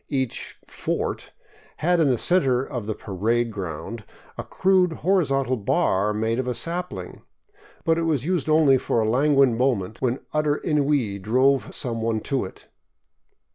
Each " fort " had in the center of the " parade ground " a crude horizontal bar made of a sapling. But it was used only for a languid moment, when utter ennui drove some one to it.